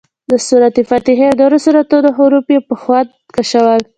د سورت فاتحې او نورو سورتونو حروف یې په خوند کشول.